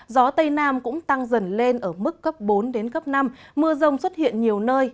gió tây nam cũng tăng dần lên ở mức cấp bốn đến cấp năm mưa rông xuất hiện nhiều nơi